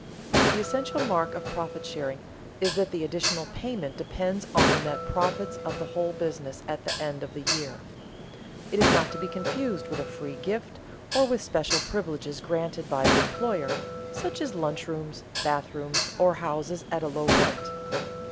_ The essential mark of profit sharing is that the additional payment depends on the net profits of the whole business at the end of the year. It is not to be confused with a free gift, or with special privileges granted by the employer, such as lunch rooms, bathrooms or houses at a low rent.